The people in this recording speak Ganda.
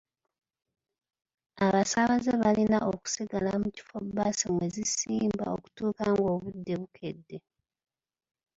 Abasaabaze balina okusigala mu kifo baasi mwe zisimba okutuuka nga obudde bukedde.